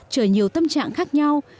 trời nhiều tâm trạng khác nhau